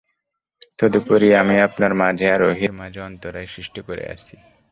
তদুপরি আমি আপনার মাঝে আর ওহীর মাঝে অন্তরায় সৃষ্টি করে আছি।